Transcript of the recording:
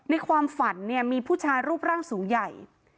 ความฝันเนี่ยมีผู้ชายรูปร่างสูงใหญ่